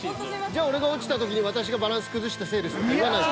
じゃあ俺が落ちた時に「私がバランス崩したせいです」って言わないと。